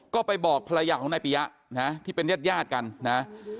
ก็ไปบอกภรรยาของนายปียะนะที่เป็นญาติญาติกันนะ